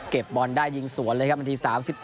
บอลได้ยิงสวนเลยครับนาที๓๑